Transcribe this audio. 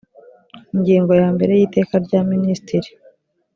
ingingo ya mbere y iteka rya minisitiri